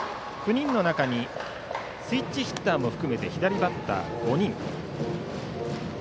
９人の中にスイッチヒッターも含めて左バッター、５人。